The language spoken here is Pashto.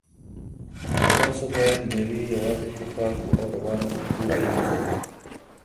تاسو باید مېوې یوازې په پاکو او روانو اوبو ومینځئ.